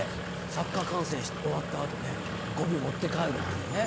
サッカー観戦終わった後ねゴミを持って帰るっていうのがね。